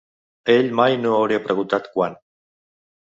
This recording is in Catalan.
Ell mai no hauria preguntat quant.